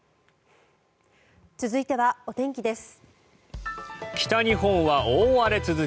続いてはお天気です。